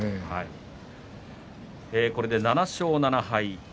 これで７勝７敗。